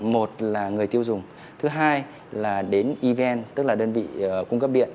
một là người tiêu dùng thứ hai là đến evn tức là đơn vị cung cấp điện